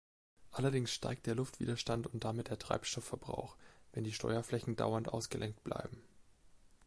Allerdings steigt der Luftwiderstand und damit der Treibstoffverbrauch, wenn die Steuerflächen dauernd ausgelenkt bleiben.